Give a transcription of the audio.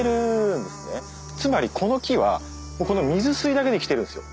つまりこの木は水吸だけで生きてるんですよ。